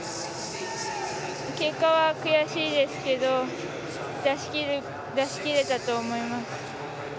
結果は悔しいですけど出し切れたと思います。